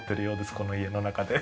この家の中で。